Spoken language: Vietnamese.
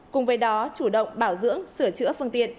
cùng với đó chủ động bảo dưỡng sửa chữa phương tiện